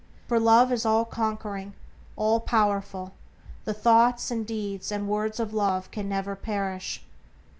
For Love is all conquering, all powerful; and the thoughts, and deeds, and words of Love can never perish.